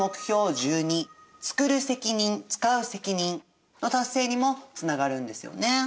１２「つくる責任つかう責任」の達成にもつながるんですよね。